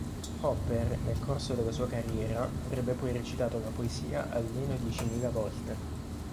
Hopper, nel corso della sua carriera, avrebbe poi recitato la poesia almeno diecimila volte